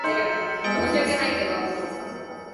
Ali is generally credited as the catalyst of the protests.